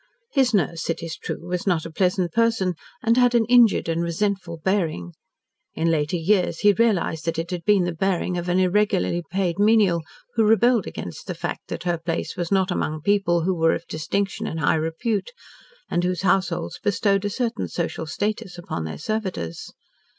His nurse, it is true, was not a pleasant person, and had an injured and resentful bearing. In later years he realised that it had been the bearing of an irregularly paid menial, who rebelled against the fact that her place was not among people who were of distinction and high repute, and whose households bestowed a certain social status upon their servitors.